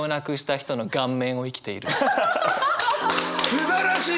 すばらしい！